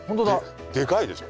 でかいでしょ？